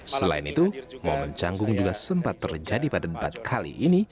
selain itu momen canggung juga sempat terjadi pada debat kali ini